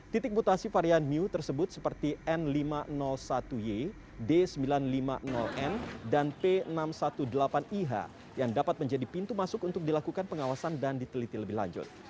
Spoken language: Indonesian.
titik mutasi varian new tersebut seperti n lima ratus satu y d sembilan ratus lima puluh n dan p enam ratus delapan belas ih yang dapat menjadi pintu masuk untuk dilakukan pengawasan dan diteliti lebih lanjut